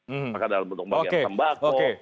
apakah dalam bentuk pembagian tembakau